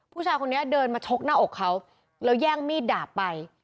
ผู้ชายคนนี้เดินมาชกหน้าอกเขาแล้วแย่งมีดดาบไป